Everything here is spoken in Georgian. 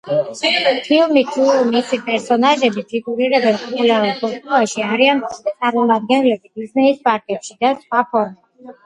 ფილმი თუ მისი პერსონაჟები ფიგურირებენ პოპულარულ კულტურაში, არიან წარმოდგენილები დისნეის პარკებში და სხვა ფორმებით.